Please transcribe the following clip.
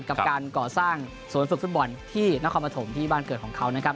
กับการก่อสร้างสวนฝึกฟุตบอลที่นครปฐมที่บ้านเกิดของเขานะครับ